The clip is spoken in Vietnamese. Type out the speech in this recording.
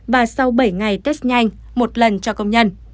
và sau bảy ngày test nhanh một lần cho công nhân